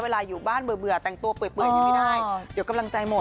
อยู่บ้านเบื่อแต่งตัวเปื่อยไม่ได้เดี๋ยวกำลังใจหมด